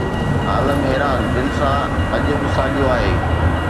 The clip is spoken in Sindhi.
عالم حيران دل سان اڄ به ساڳيو آهي